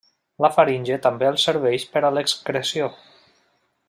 La faringe també els serveix per a l'excreció.